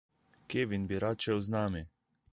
Kevin bi rad šel z nami.